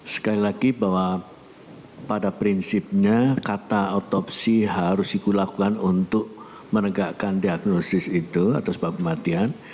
sekali lagi bahwa pada prinsipnya kata otopsi harus dilakukan untuk menegakkan diagnosis itu atau sebab kematian